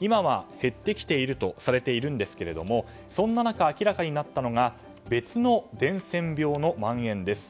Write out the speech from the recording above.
今は減ってきているとされているんですがそんな中、明らかになったのが別の伝染病の蔓延です。